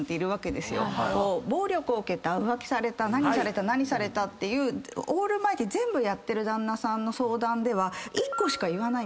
暴力を受けた浮気された何された何されたっていうオールマイティー全部やってる旦那さんの相談では１個しか言わないんですよ。